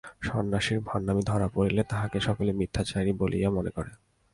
সন্ন্যাসীর ভণ্ডামি ধরা পড়িলে তাহাকে সকলে মিথ্যাচারী বলিয়া মনে করে।